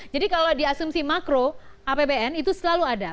jadi kalau di asumsi makro apbn itu selalu ada